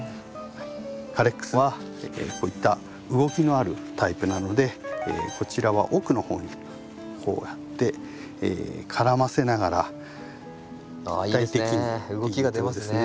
カレックスはこういった動きのあるタイプなのでこちらは奥の方にこうやって絡ませながら立体的にっていうとこですね。